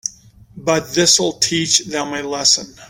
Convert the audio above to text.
But this'll teach them a lesson.